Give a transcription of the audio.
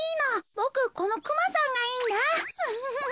ボクこのクマさんがいいんだ。